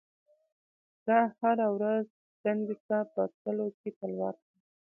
زه هره ورځ دندې ته په تللو کې تلوار کوم.